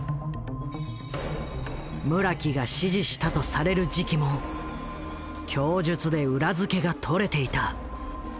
村木が指示したとされる時期も供述で裏付けがとれていた。